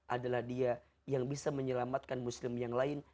adalah dia yang bisa menyelamatkan muslim yang lain